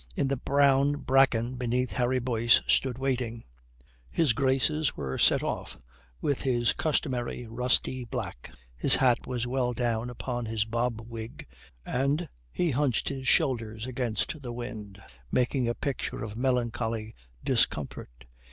In the brown bracken beneath Harry Boyce stood waiting. His graces were set off with his customary rusty black. His hat was well down upon his bobwig, and he hunched his shoulders against the wind, making a picture of melancholy discomfort.